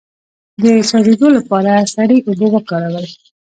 د سوځیدو لپاره سړې اوبه وکاروئ